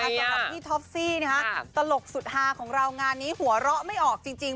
สำหรับพี่ท็อปซี่ตลกสุดฮาของเรางานนี้หัวเราะไม่ออกจริง